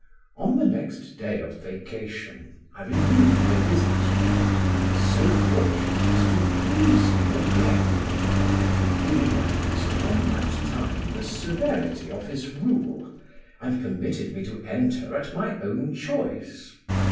"On the next day of vacation I renewed my visit, and was so fortunate as to please him again. He relaxed from that time the severity of his rule, and permitted me to enter at my own choice.